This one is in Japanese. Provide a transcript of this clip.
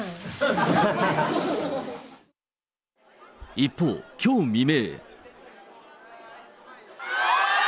一方、きょう未明。